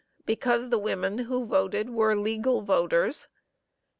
Because the women who voted were legal voters.